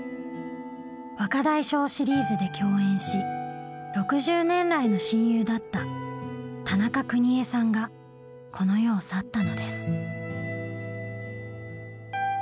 「若大将」シリーズで共演し６０年来の親友だった田中邦衛さんがこの世を去ったのです。